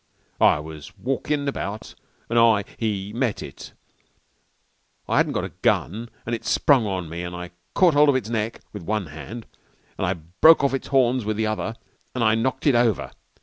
"It was walkin' about an' I he met it. I hadn't got no gun, and it sprung at me an' I caught hold of its neck with one hand an' I broke off its horns with the other, an' I knocked it over.